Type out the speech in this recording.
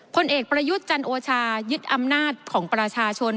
ผลเอกประยุทธ์จันโอชายึดอำนาจของประชาชน